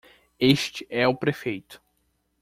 Este é o prefeito.